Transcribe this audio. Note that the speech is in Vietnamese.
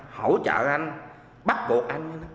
hỗ trợ anh bắt buộc anh